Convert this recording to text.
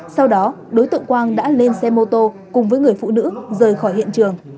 sau đó đối tượng quang đã lên xe mô tô cùng với người phụ nữ rời khỏi hiện trường